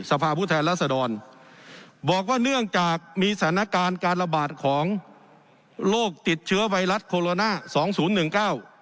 สภาพผู้แทนรัศดรบอกว่าเนื่องจากมีสถานการณ์การระบาดของโรคติดเชื้อไวรัสโคโรนาสองศูนย์หนึ่งเก้า